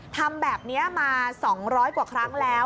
ทำแบบนี้มา๒๐๐กว่าครั้งแล้ว